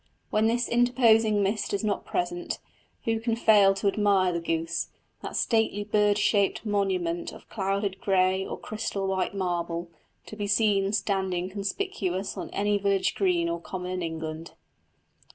When this interposing mist is not present, who can fail to admire the goose that stately bird shaped monument of clouded grey or crystal white marble, to be seen standing conspicuous on any village green or common in England?